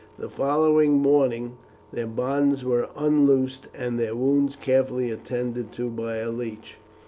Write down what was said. The following morning their bonds were unloosed, and their wounds carefully attended to by a leech.